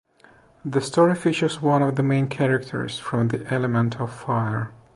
This story features one of the main characters from The Element of Fire.